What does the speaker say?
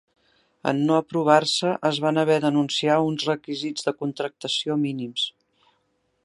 En no aprovar-se, es van haver d'anunciar uns requisits de contractació mínims.